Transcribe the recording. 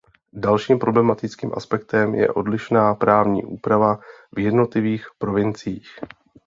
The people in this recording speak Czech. Dalším problematickým aspektem je odlišná právní úprava v jednotlivých provinciích.